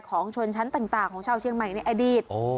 ของชนชั้นต่างของชาวเชียงใหม่ในอดีต